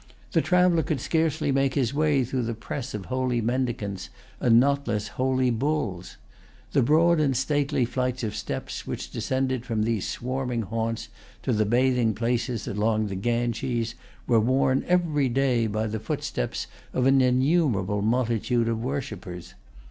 The traveller could scarcely make his way through the press of holy mendicants and not less holy bulls. The broad and stately flights of steps which descended from these swarming haunts to the bathing places along the Ganges were worn every day by the footsteps of an innumerable multitude of worshippers.